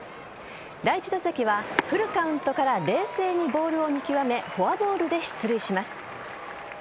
第１打席はフルカウントから冷静にボールを見極めフォアボールで出塁します。